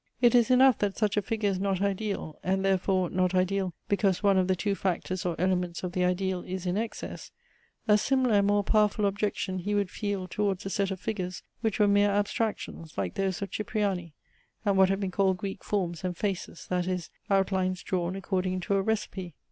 It is enough that such a figure is not ideal: and therefore not ideal, because one of the two factors or elements of the ideal is in excess. A similar and more powerful objection he would feel towards a set of figures which were mere abstractions, like those of Cipriani, and what have been called Greek forms and faces, that is, outlines drawn according to a recipe.